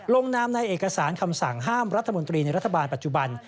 ลงนามในเอกสารคำสั่งห้ามรัฐมนตรีในรัฐบาลปัจจุบัน